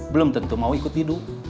belum tentu mau ikut hidup